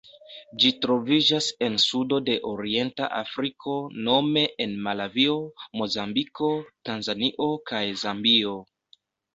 Ĝi troviĝas en sudo de orienta Afriko nome en Malavio, Mozambiko, Tanzanio kaj Zambio.